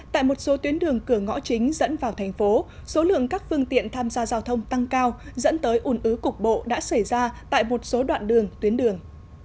tại một số tuyến đường cửa ngõ chính dẫn vào thành phố số lượng các phương tiện tham gia giao thông tăng cao dẫn tới ủn ứ cục bộ đã xảy ra tại một số đoạn đường tuyến đường